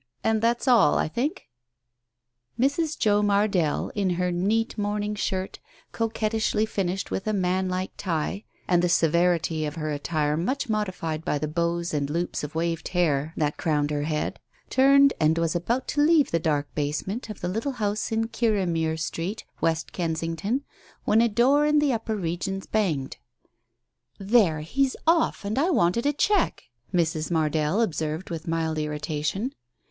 And that's all, I think?" Mrs. Joe Mardell, in her neat morning shirt, coquet ishly finished with a man like tie, and the severity of her attire much modified by the bows and loops of waved hair that crowned her head, turned and was about to leave the dark basement of the little house in Kirriemuir Street, West Kensington, when a door in the upper regions banged. "There, he's off, and I wanted a cheque!" Mrs. Mardell observed with mild irritation.